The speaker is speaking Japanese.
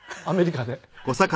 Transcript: アメリカで。